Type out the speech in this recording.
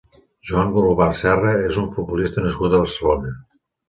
Joan Golobart Serra és un futbolista nascut a Barcelona.